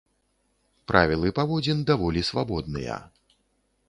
Правілы паводзін даволі свабодныя.